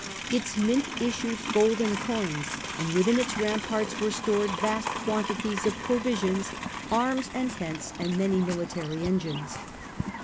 Its mint issued golden coins and within its ramparts were stored vast quantities of pro visions, arms and tents and many military engines.